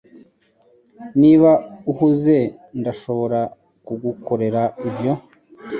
Niba uhuze, ndashobora kugukorera ibyo.